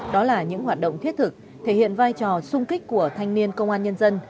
đó là những hoạt động thiết thực thể hiện vai trò sung kích của thanh niên công an nhân dân